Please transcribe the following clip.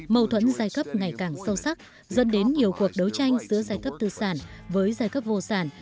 mâu thuẫn giai cấp ngày càng sâu sắc dẫn đến nhiều cuộc đấu tranh giữa giai cấp tư sản với giai cấp vô sản